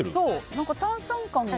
何か炭酸感が。